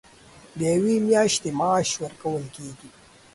د یوې میاشتې معاش ورکول کېږي.